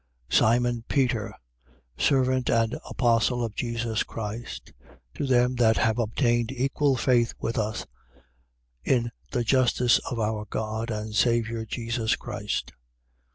1:1. Simon Peter, servant and apostle of Jesus Christ: to them that have obtained equal faith with us in the justice of our God and Saviour Jesus Christ.